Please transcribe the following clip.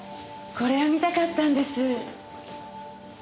これを見たかったんです。